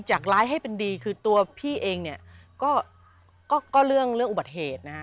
จากรายให้เป็นดีคือตัวพี่เองก็เรื่องอุบัติเหตุนะคะ